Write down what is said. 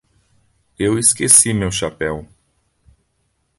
Eu esqueci meu chapéu.